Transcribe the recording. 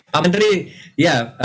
pak menteri ya